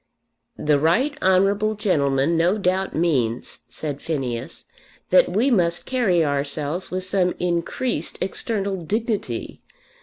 "The Right Honourable gentleman no doubt means," said Phineas, "that we must carry ourselves with some increased external dignity.